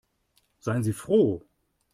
Seien Sie froh.